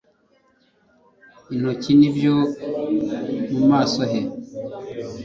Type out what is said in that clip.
intoki n'ibyo mu maso he,